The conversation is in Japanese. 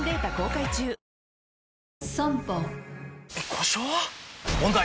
故障？問題！